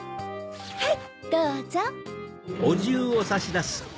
はいどうぞ。